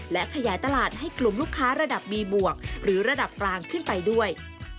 และขยายตลาดให้กลุ่มลูกค้าระดับมีบวกหรือระดับกลางขึ้นไปด้วย